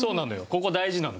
ここ大事なの。